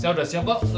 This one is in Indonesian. saya udah siap box